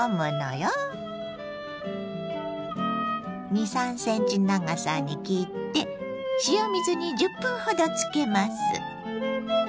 ２３ｃｍ長さに切って塩水に１０分ほどつけます。